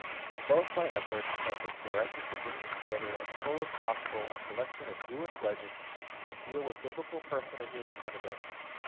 In both my efforts have been directed to bringing together as full as possible a collection of Jewish legends that deal with Biblical personages and events.